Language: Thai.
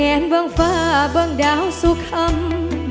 แง่นบางฟ้าบางดาวสุขเขา